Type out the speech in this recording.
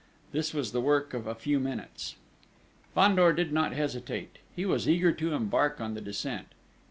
This was the work of a few minutes. Fandor did not hesitate: he was eager to embark on the descent.